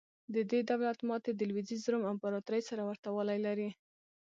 د دې دولت ماتې د لوېدیځ روم امپراتورۍ سره ورته والی لري.